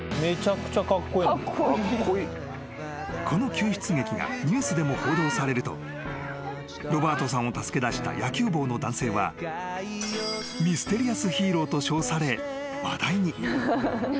［この救出劇がニュースでも報道されるとロバートさんを助けだした野球帽の男性はミステリアスヒーローと称され話題に］